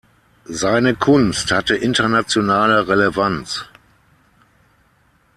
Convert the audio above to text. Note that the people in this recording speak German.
Seine Kunst hatte internationale Relevanz.